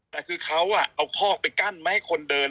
แต่คือเขาเอาคอกไปกั้นไม่ให้คนเดิน